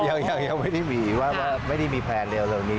ยังไม่ได้มีแพลนเร็วนี้